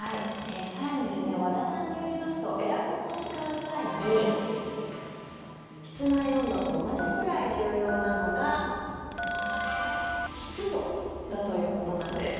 更に和田さんによりますとエアコンを使う際に室内温度と同じくらい重要なのが湿度だということなんです。